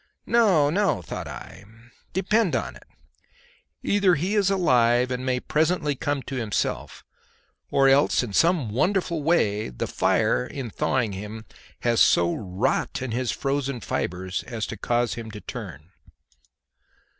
No, no, thought I! depend upon it, either he is alive and may presently come to himself, or else in some wonderful way the fire in thawing him has so wrought in his frozen fibres as to cause him to turn.